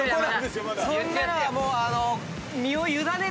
そんなのはもう。